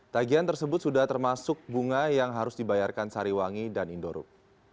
tagihan tersebut sudah termasuk bunga yang harus dibayarkan sariwangi dan indorup